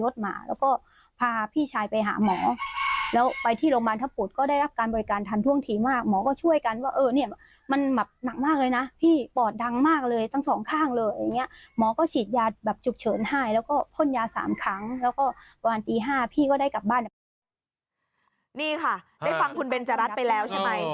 ได้ฟังคุณเบนจรัสไปแล้วใช่ไหม